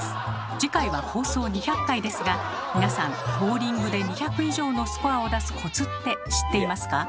次回は放送２００回ですが皆さんボウリングで２００以上のスコアを出すコツって知っていますか？